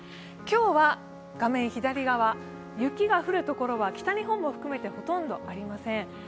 今日は画面左側、雪が降るところは北日本も含めてほとんどありません。